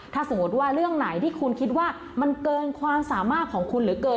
ถ้าสมมุติว่าเรื่องไหนที่คุณคิดว่ามันเกินความสามารถของคุณเหลือเกิน